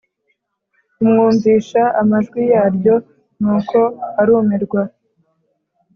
umwumvisha amajwi yaryo nuko arumirwa